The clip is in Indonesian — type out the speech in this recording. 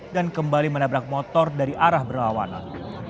dan kembali menabrak motor dari arah berlawanan